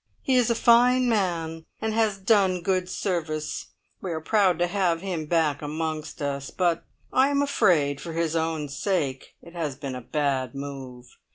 He is a fine man, and has done good service. We are proud to have him back amongst us, but I am afraid, for his own sake, it has been a bad move.